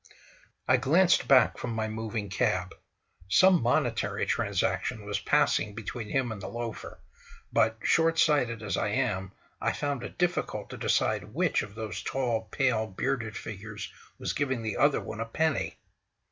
I glanced back from my moving cab. Some monetary transaction was passing between him and the loafer, but, short sighted as I am, I found it difficult to decide which of those tall, pale, bearded figures was giving the other one a penny.